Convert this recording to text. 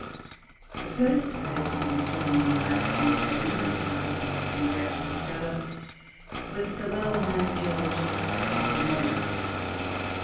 The first person who threw any light upon the problem, as far as I have been able to discover, was the well known geologist, Professor Morris.